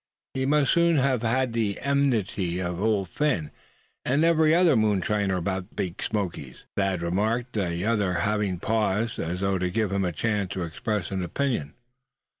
"He must soon have had the enmity of Old Phin, and every other moonshiner about the Big Smokies," Thad remarked, the other having paused, as though to give him a chance to express an opinion.